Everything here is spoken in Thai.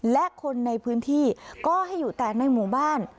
และคนในพื้นที่ก็ให้อยู่แต่ในหมู่บ้าน